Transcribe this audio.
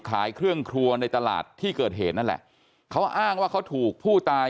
ขายเครื่องครัวในตลาดที่เกิดเหตุนั่นแหละเขาอ้างว่าเขาถูกผู้ตาย